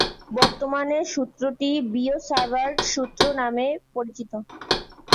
বর্তমানে সূত্রটি বিও-সাভার্ত সূত্র নামে পরিচিত।